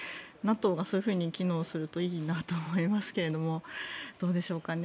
ＮＡＴＯがそういうふうに機能するといいなと思いますけど。